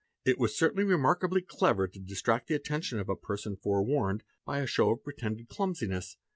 It was certainly remarkably clever to distract — the attention of a person fore warned, by a show of pretended clumsiness.